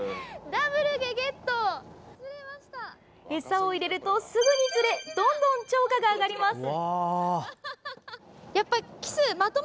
餌を入れるとすぐに釣れどんどん釣果が上がります。